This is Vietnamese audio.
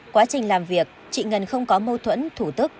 quá trình làm việc chị ngân không có mâu thuẫn thủ tức